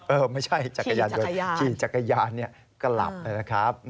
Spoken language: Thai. เออไม่ใช่จักรยานยนต์ขี่จักรยานกลับนะครับ